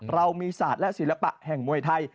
เรามีศาสตร์และศิลปะแห่งมวยไทย